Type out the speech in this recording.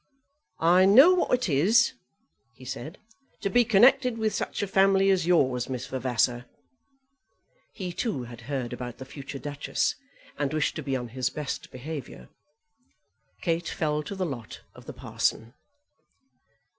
"I know what it is," he said, "to be connected with such a family as yours, Miss Vavasor." He too had heard about the future duchess, and wished to be on his best behaviour. Kate fell to the lot of the parson.